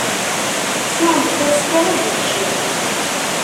Siwlet-as kan ad d-ikcem!